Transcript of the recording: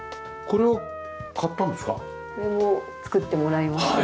これも作ってもらいました。